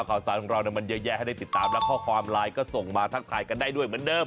ข่าวสารของเรามันเยอะแยะให้ได้ติดตามและข้อความไลน์ก็ส่งมาทักทายกันได้ด้วยเหมือนเดิม